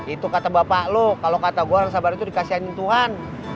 itu kata bapak lo kalau kata gue orang sabar itu dikasihanin tuhan